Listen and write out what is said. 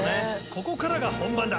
ここからが本番だ。